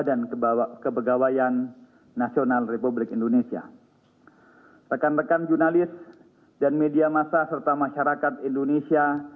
dan saya juga serahkan anda zeiten setelah ini lebih awal dari ruth j nothing dan robert